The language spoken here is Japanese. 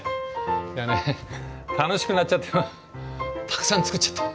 いやね楽しくなっちゃってたくさん作っちゃった。